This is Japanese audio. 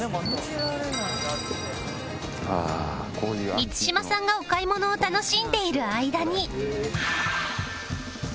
満島さんがお買い物を楽しんでいる間に